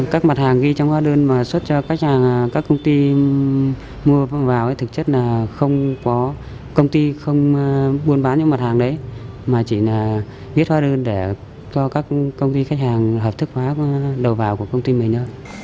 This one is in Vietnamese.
các mặt hàng ghi trong hóa đơn mà xuất cho các công ty mua vào thì thực chất là không có công ty buôn bán những mặt hàng đấy mà chỉ là ghi hóa đơn để cho các công ty khách hàng hợp thức hóa đồ vào của công ty mình